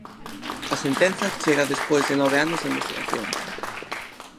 A sentenza chega despois de nove anos de investigación.